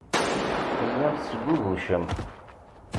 Tellam tesgugucem.